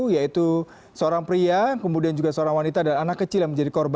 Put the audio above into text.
yaitu seorang pria kemudian juga seorang wanita dan anak kecil yang menjadi korban